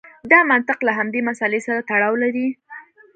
دا منطق له همدې مسئلې سره تړاو لري.